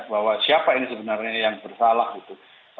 bahwa siapa ini sebenarnya yang bersalah gitu